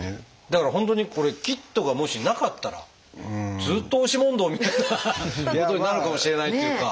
だから本当にこれキットがもしなかったらずっと押し問答みたいなことになるかもしれないっていうか。